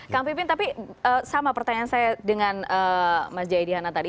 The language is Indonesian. kang pipin tapi sama pertanyaan saya dengan mas jaya dihana tadi